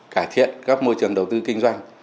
cải thiện các môi trường đầu tư kinh doanh